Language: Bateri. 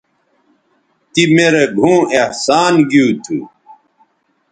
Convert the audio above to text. تی می رے گھؤں احسان گیو تھو